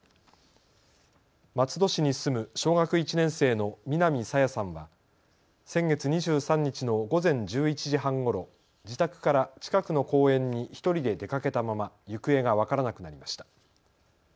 松戸市に住む小学１年生の南朝芽さんは先月２３日の午前１１時半ごろ自宅から近くの公園に１人で出かけたまま行方が分からなくなりました。